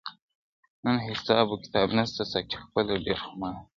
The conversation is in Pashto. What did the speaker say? نن حساب و کتاب نسته ساقي خپله ډېر خمار دی,